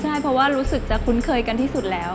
ใช่เพราะว่ารู้สึกจะคุ้นเคยกันที่สุดแล้ว